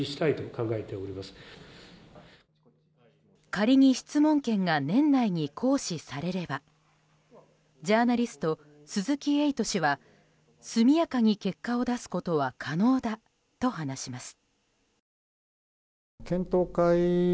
仮に質問権が年内に行使されればジャーナリスト鈴木エイト氏は速やかに結果を出すことは可能だと話します。